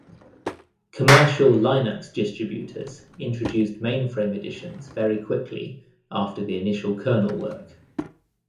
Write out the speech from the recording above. Commercial Linux distributors introduced mainframe editions very quickly after the initial kernel work.